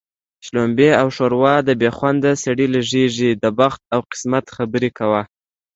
شلومبې او ښوروا د بې خونده سړي لږېږي د بخت او قسمت خبره کوي